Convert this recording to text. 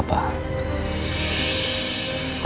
bapak harus lebih hati hati lagi pak